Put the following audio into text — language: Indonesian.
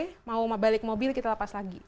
kalau mau balik mobil kita lepas lagi